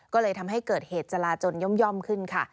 ก็เลยทำให้เกิดเหตุจราจนย่อมขึ้นค่ะ